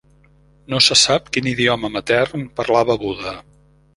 No se sap quin idioma matern parlava Buda.